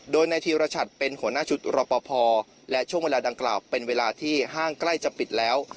โดยนายธีรชัดเป็นหัวหน้าชุดรอปภและช่วงเวลาดังกล่าวเป็นเวลาที่ห้างใกล้จะปิดแล้ว